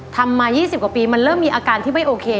ทำมา๒๐กว่าปีมันเริ่มมีอาการที่ไม่โอเค